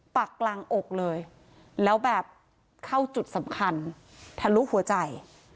ปากกลางอกเลยแล้วแบบเข้าจุดสำคัญทะลุหัวใจ